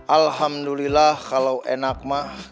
alhamdulillah kalau enak mah